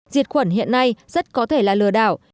diệt khuẩn hiện nay rất có thể là lừa đảo